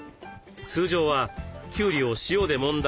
通常はきゅうりを塩でもんだ